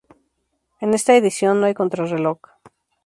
En esta edición no hay contrarreloj.